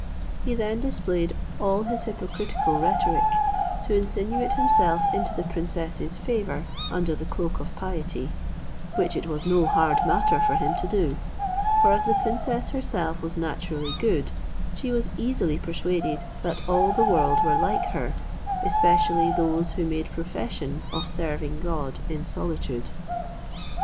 He then displayed all his hypocritical rhetoric, to insinuate himself into the princess's favour under the cloak of piety, which it was no hard matter for him to do; for as the princess herself was naturally good, she was easily persuaded that all the world were like her, especially those who made profession of serving God in solitude.